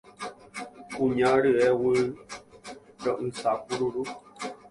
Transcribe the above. Kuña ryeguy ro'ysã kururu